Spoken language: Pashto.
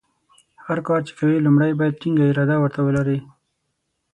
هر کار چې کوې لومړۍ باید ټینګه اراده ورته ولرې.